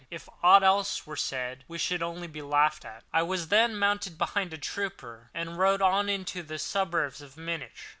If aught else were said we should only be laughed at." I was then mounted behind a trooper, and we rode on into the suburbs of Munich.